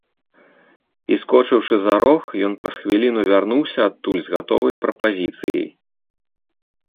І, скочыўшы за рог, ён праз хвіліну вярнуўся адтуль з гатовай прапазіцыяй.